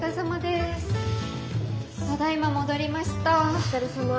お疲れさま。